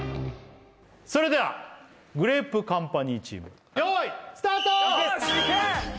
それではグレープカンパニーチーム用意スタートいけっ！